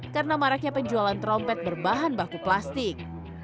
karena maraknya penjualan trompet berbahan baku plastik